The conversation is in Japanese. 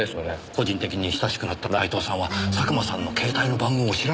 個人的に親しくなった内藤さんは佐久間さんの携帯の番号を知らないんですか？